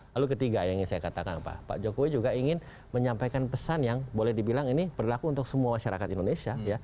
lalu ketiga yang ingin saya katakan pak jokowi juga ingin menyampaikan pesan yang boleh dibilang ini berlaku untuk semua masyarakat indonesia